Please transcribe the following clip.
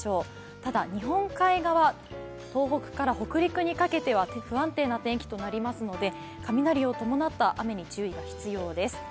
ただ、日本海側、東北から北陸にかけては不安定な天気となりますので、雷を伴った雨に注意が必要です。